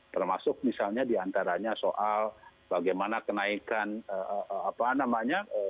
termasuk misalnya diantaranya soal bagaimana kenaikan apa namanya